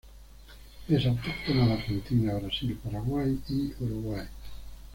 Es autóctona de Argentina, Brasil, Paraguay y Uruguay.